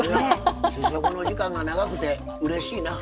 試食の時間が長くてうれしいな。